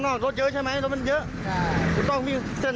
นั้นเลยไหม